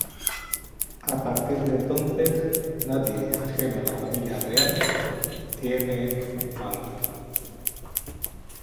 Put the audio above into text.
A partir de entonces, nadie ajeno a la familia real tuvo mando.